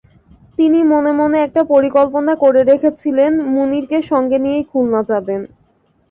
তিনি মনে-মনে একটা পরিকল্পনা করে রেখেছিলেন, মুনিরকে সঙ্গে নিয়েই খুলনা যাবেন।